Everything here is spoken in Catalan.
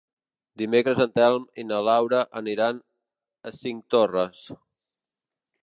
Dimecres en Telm i na Laura aniran a Cinctorres.